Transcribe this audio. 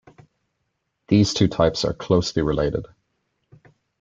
These two types are closely related.